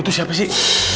itu siapa sih